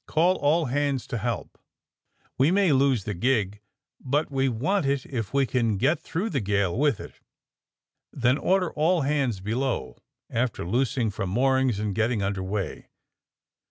Call all hands to help. We may lose the gig, but we want it if we can get through the gale with it. Then order all hands below, after loos ing from moorings and getting under way.